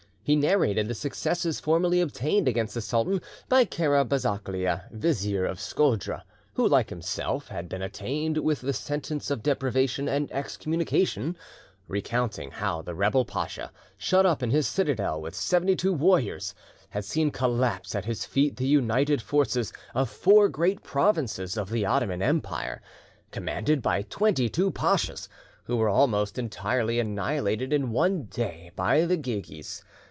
He narrated the successes formerly obtained against the sultan by Kara Bazaklia, Vizier of Scodra, who, like himself, had been attained with the sentence of deprivation and excommunication; recounting how the rebel pacha, shut up in his citadel with seventy two warriors, had seen collapse at his feet the united forces of four great provinces of the Ottoman Empire, commanded by twenty two pachas, who were almost entirely annihilated in one day by the Guegues.